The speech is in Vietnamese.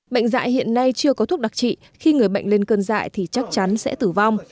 bệnh dạy hiện nay chưa có thuốc đặc trị khi người bệnh lên cơn dại thì chắc chắn sẽ tử vong